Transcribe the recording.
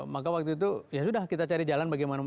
maka waktu itu ya sudah kita cari jalan bagaimana